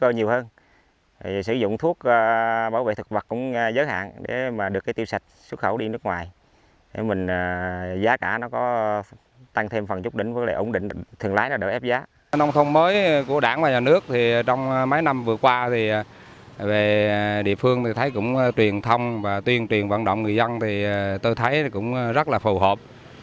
nông thôn mới của đảng và nhà nước trong mấy năm vừa qua địa phương thấy cũng truyền thông và tuyên truyền vận động người dân tôi thấy cũng rất là phù hợp